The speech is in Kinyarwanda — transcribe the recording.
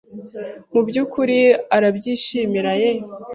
Mu byukuri arabyishimiye